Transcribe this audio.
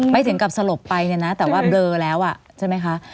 ถึงกับสลบไปเนี่ยนะแต่ว่าเบลอแล้วอ่ะใช่ไหมคะ